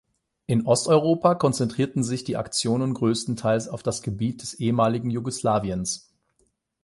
In Osteuropa konzentrierten sich die Aktionen größtenteils auf das Gebiet des ehemaligen Jugoslawiens.